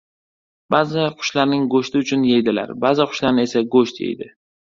• Ba’zi qushlarni go‘shti uchun yeydilar, ba’zi qushlar esa go‘sht yeydi.